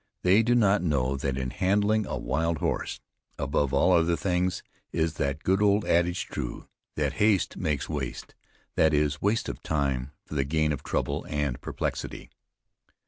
They do not know that in handling a wild horse, above all other things, is that good old adage true, that "haste makes waste;" that is, waste of time, for the gain of trouble and perplexity.